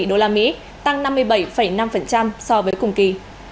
đô la mỹ tăng năm mươi bảy năm so với cùng kỳ